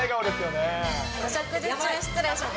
お食事中失礼します。